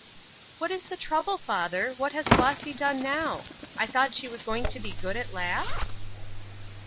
"What was the trouble, father? What has Flossy done now? I thought she was going to be good at last?"